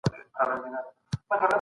خواشیني دوامداره نه شي.